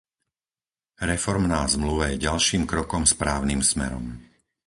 Reformná zmluva je ďalším krokom správnym smerom.